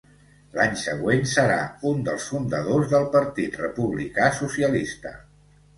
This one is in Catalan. L'any següent serà un dels fundadors del Partit Republicà Socialista.